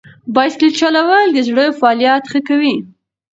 بایسکل چلول د زړه فعالیت ښه کوي.